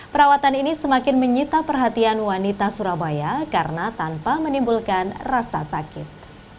perawatan ini semakin menyita perhatian wanita surabaya karena tanpa menimbulkan rasa sakit